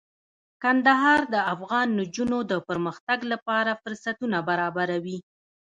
کندهار د افغان نجونو د پرمختګ لپاره فرصتونه برابروي.